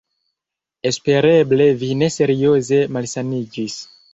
Espereble vi ne serioze malsaniĝis.